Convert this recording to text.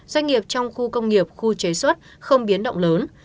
doanh nghiệp trong khu công nghiệp khu chế xuất không biến động lớn